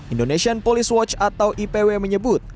indonesian police watch atau ipw menyebut